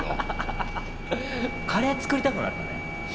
ハハハハハ！カレー作りたくなったね！